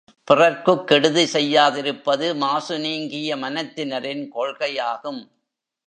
பிறர்க்குக் கெடுதி செய்யாதிருப்பது மாசு நீங்கிய மனத் தினரின் கொள்கையாகும்.